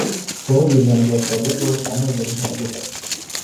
tug‘ib yurgan ijodkorga tug‘ish qanday bo‘lishini o‘rgatadi?